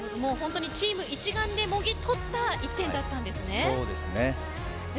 チーム一丸でもぎ取った１点だったんですね。